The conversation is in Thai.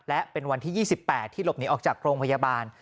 และเป็นวันที่๒๘ที่หลบหนีออกจากโรงพยาบาล